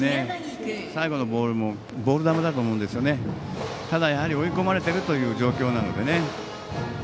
最後のボールもボール球だと思うんですけどただ、やはり追い込まれている状況なのでね。